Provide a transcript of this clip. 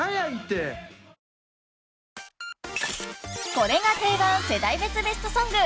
［これが定番世代別ベストソング］